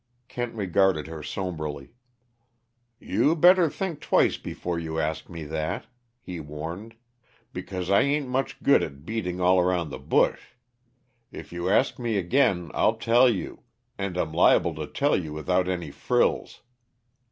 Kent regarded her somberly. "You better think twice before you ask me that," he warned; "because I ain't much good at beating all around the bush. If you ask me again, I'll tell you and I'm liable to tell you without any frills."